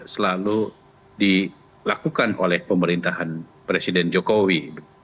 selalu dilakukan oleh pemerintahan presiden jokowi